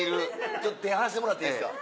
ちょっと手離してもらっていいですか。